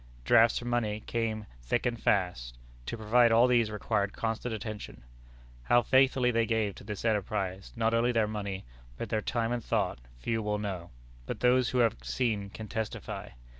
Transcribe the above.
Drafts for money came thick and fast. To provide for all these required constant attention. How faithfully they gave to this enterprise, not only their money, but their time and thought, few will know; but those who have seen can testify.